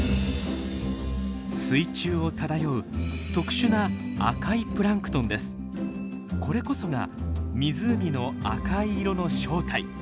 水中を漂う特殊なこれこそが湖の赤い色の正体。